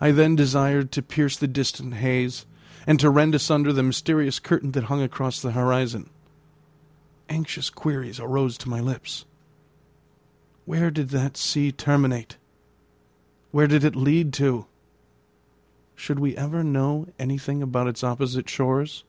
I then desired to pierce the distant haze, and to rend asunder the mysterious curtain that hung across the horizon. Anxious queries arose to my lips. Where did that sea terminate? Where did it lead to? Should we ever know anything about its opposite shores?